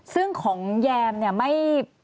ซึ่งของแยมเนี่ยไม่